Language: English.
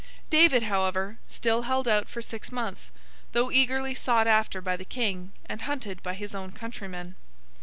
David, however, still held out for six months, though eagerly sought after by the King, and hunted by his own countrymen.